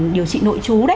điều trị nội chú